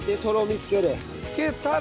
付けたら。